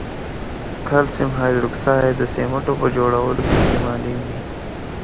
کلسیم هایدروکساید د سمنټو په جوړولو کې استعمالیږي.